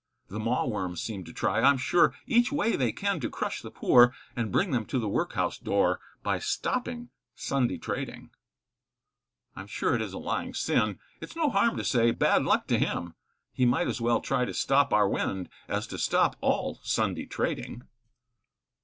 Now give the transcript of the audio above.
The mawworms seem to try, I'm sure, Each way they can to crush the poor, And bring them to the workhouse door, By stopping Sunday trading. I'm sure it is a lying sin, It's no harm to say, bad luck to him, He might as well try to stop our wind, As to stop all Sunday trading.